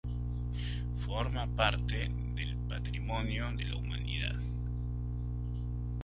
Forma parte del como Patrimonio de la Humanidad.